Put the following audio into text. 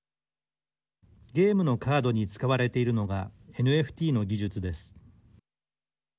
ゲームのカードに使われているのがＮＦＴの技術です。